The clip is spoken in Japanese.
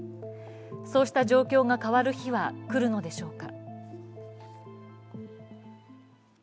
そうした状況が変わる日は来るのでしょうか。